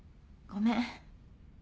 ごめん。